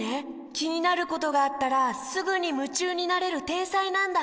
きになることがあったらすぐにむちゅうになれるてんさいなんだ！